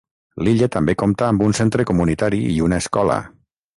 L'illa també compta amb un centre comunitari i una escola.